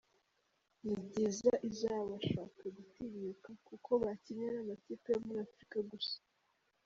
Ni byiza izabashaka gutinyuka kuko bakinnye n’amakipe yo muri Afurika gusa.